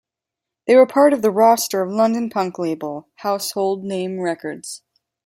They were part of the roster of London punk label Household Name Records.